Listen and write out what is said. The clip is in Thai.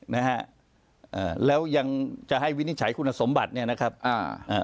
นะฮะอ่าแล้วยังจะให้วินิจฉัยคุณสมบัติเนี้ยนะครับอ่าอ่า